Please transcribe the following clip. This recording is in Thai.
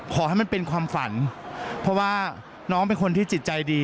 ขอให้มันเป็นความฝันเพราะว่าน้องเป็นคนที่จิตใจดี